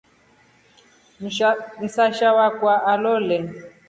Msasha akwa alole.